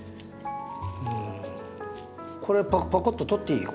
これパコッと取っていい？